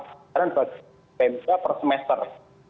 anggaran bagi pmk per semester